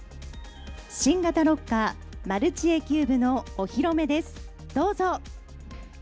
新型ロッカーマルチエキューブのお披露目です。